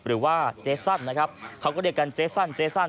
หรือว่าเจสั้นนะครับเขาก็เรียกกันเจสั้นเจสั้น